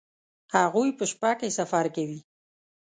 هغوی په شپه کې سفر کوي